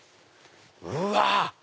うわ！